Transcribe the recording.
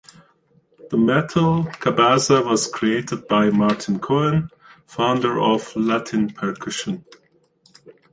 The metal cabasa was created by Martin Cohen, founder of Latin Percussion.